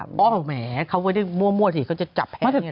อ้อแหมเขาไม่ได้มั่วสิเขาจะจับแพ้อย่างนี้แหละ